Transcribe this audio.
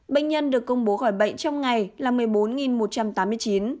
bệnh nhân được công bố khỏi bệnh trong ngày là một mươi bốn một trăm tám mươi chín